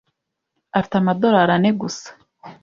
Afite amadorari ane gusa